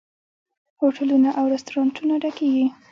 هوټلونه او رستورانتونه ډکیږي.